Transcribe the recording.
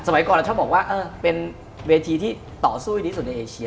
ก่อนเราชอบบอกว่าเป็นเวทีที่ต่อสู้ดีที่สุดในเอเชีย